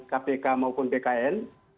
kpk maupun bkn